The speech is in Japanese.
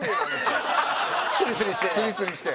スリスリして？